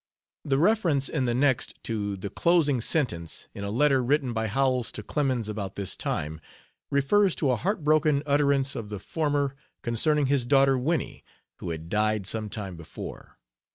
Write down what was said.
C. The reference in the next to the "closing sentence" in a letter written by Howells to Clemens about this time, refers to a heart broken utterance of the former concerning his daughter Winnie, who had died some time before.